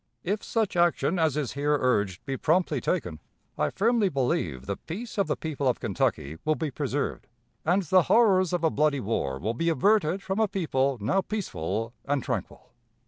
If such action as is here urged be promptly taken, I firmly believe the peace of the people of Kentucky will be preserved, and the horrors of a bloody war will be averted from a people now peaceful and tranquil.